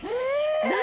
何？